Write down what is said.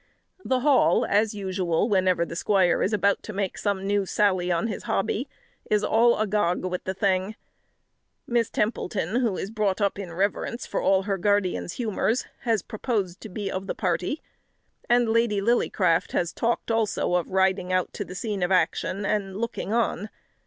The Hall, as usual, whenever the squire is about to make some new sally on his hobby, is all agog with the thing. Miss Templeton, who is brought up in reverence for all her guardian's humours, has proposed to be of the party, and Lady Lillycraft has talked also of riding out to the scene of action and looking on.